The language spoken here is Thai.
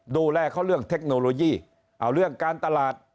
ดูแลเขาเรื่องเทคโนโลยีเอาเรื่องการตลาด